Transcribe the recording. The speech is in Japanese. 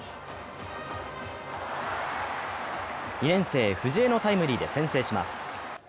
２年生、藤江のタイムリーで先制します。